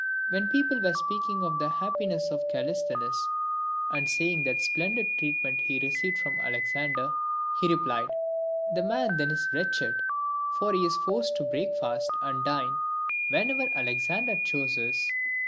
When people were speaking of the happiness of Calisthenes, and saying what splendid treatment he received from Alexander, he replied, " The man then is wretched, for he is forced to breakfast and dine whenever Alexander chooses."